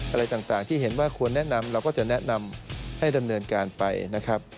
อะไรต่างที่เห็นว่าควรแนะนำเราก็จะแนะนำให้ดำเนินการไปนะครับ